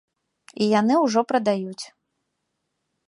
І яны ўжо прадаюць.